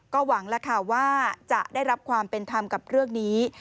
ก็หวังแล้วค่ะว่าจะได้รับความเป็นธรรมกับเรื่องนี้